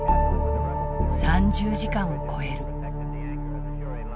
３０時間を超える。